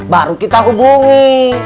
baru kita hubungi